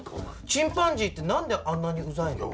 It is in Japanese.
チンパンジーってなんであんなにウザいの？